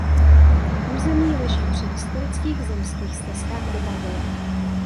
Území leží při historických zemských stezkách do Bavor.